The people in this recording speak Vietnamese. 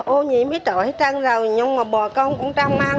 ô nhiễm biết rồi thì trang rào nhưng mà bò công cũng trang mang